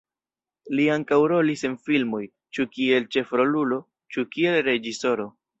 Li ankaŭ rolis en filmoj, ĉu kiel ĉefrolulo, ĉu kiel reĝisoro.